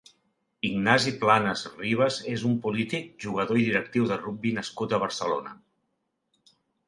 Ignasi Planas Rivas és un polític, jugador i directiu de rugbi nascut a Barcelona.